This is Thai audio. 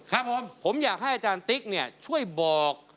ครับผมผมอยากให้อาจารย์ติ๊กเนี่ยช่วยบอก